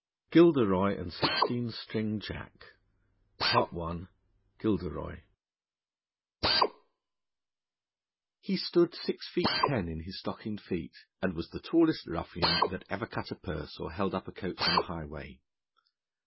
GILDEROY AND THE SIXTEEN STRING JACK I GILDEROY HE stood six feet ten in his stockinged feet, and was the tallest ruffian that ever cut a purse or held up a coach on the highway.